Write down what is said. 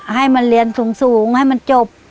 ให้มันเรียนสูงให้มันจบ